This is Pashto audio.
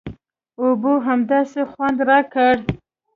اوبو همداسې خوند راکړ.